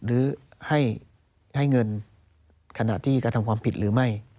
หรือให้เงินขณะที่กระทำความผิดหรือไม่